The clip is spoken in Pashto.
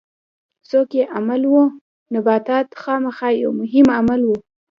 څوک یې عامل وو؟ نباتات خامخا یو مهم عامل و.